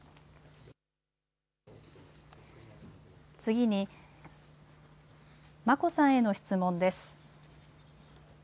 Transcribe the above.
次に、眞子さんへの質問です。